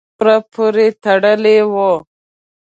خپله خاوره پوري تړلی وو.